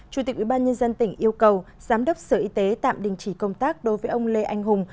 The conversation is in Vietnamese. chủ tịch ubnd tỉnh yêu cầu giám đốc sở y tế tạm đình chỉ công tác đối với ông lê anh hùng